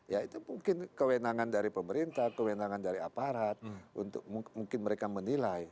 ya itu mungkin kewenangan dari pemerintah kewenangan dari aparat untuk mungkin mereka menilai